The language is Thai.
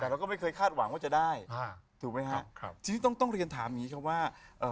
แต่เราก็ไม่เคยคาดหวังว่าจะได้อ่าถูกไหมฮะครับทีนี้ต้องต้องเรียนถามอย่างงี้ครับว่าเอ่อ